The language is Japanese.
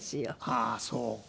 ああーそうか。